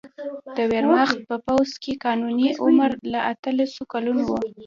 د ویرماخت په پوځ کې قانوني عمر له اتلسو کلونو و